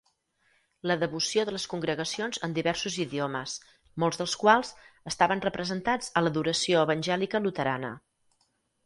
La devoció de les congregacions en diversos idiomes, molts dels quals estaven representats a "l'adoració evangèlica luterana".